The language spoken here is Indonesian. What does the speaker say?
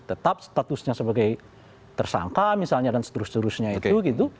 tetap statusnya sebagai tersangka misalnya dan seterusnya itu gitu